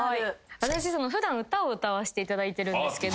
私普段歌を歌わせていただいてるんですけど。